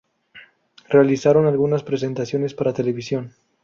Realizaron algunas presentaciones para television.